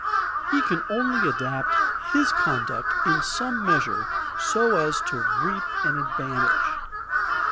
He can only adapt his conduct in some measure so as to reap an advantage.